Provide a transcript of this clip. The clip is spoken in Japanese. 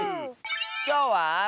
きょうは。